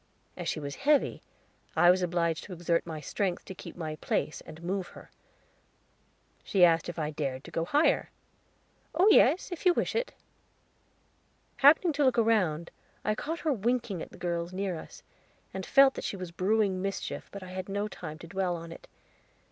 As she was heavy, I was obliged to exert my strength to keep my place, and move her. She asked if I dared to go higher. "Oh yes, if you wish it." Happening to look round, I caught her winking at the girls near us, and felt that she was brewing mischief, but I had no time to dwell on it.